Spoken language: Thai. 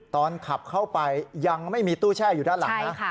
ตอนขับเข้าไปยังไม่มีตู้แช่อยู่ด้านหลังนะ